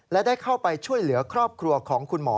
และได้เข้าไปช่วยเหลือครอบครัวของคุณหมอ